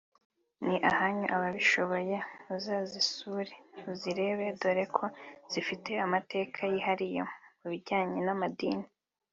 ni ahanyu ababishoboye muzazisure muzirebe dore ko zifite amateka yihariye mu bijyanye n’amadini